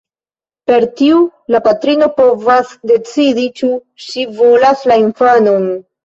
Per tiu la patrino povas decidi, ĉu ŝi volas la infanon.